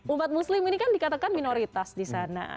umat muslim ini kan dikatakan minoritas di sana